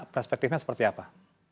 perspektifnya seperti apa